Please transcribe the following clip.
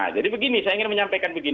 jadi begini saya ingin menyampaikan begini